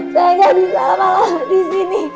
saya gak bisa lama lama disini